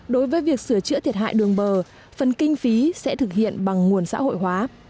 đối với việc sửa chữa thiệt hại đường bờ phần kinh phí sẽ thực hiện bằng nguồn xã hội hóa